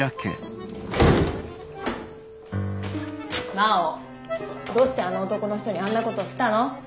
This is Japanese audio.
真央どうしてあの男の人にあんなことをしたの？